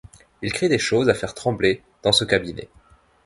Ils crient des choses à faire trembler, dans ce cabinet.